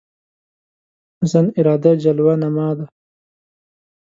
حسن اراده جلوه نما ده